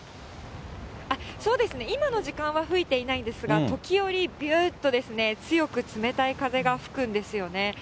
そうですね、今の時間は吹いていないんですが、時折、びゅーっと、強く冷たい風が吹くんですよね。